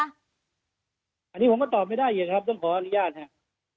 อันนี้ผมก็ตอบไม่ได้อีกครับต้องขออนุญาตครับ